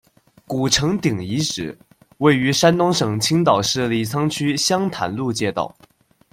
古城顶遗址，位于山东省青岛市李沧区湘潭路街道。